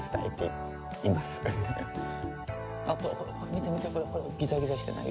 見て見てこれギザギザしてない？